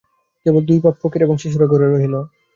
কেবল দুই বাপ, ফকির এবং শিশুরা ঘরে রহিল।